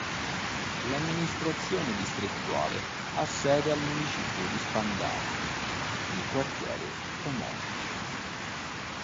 L'amministrazione distrettuale ha sede al Municipio di Spandau, nel quartiere omonimo.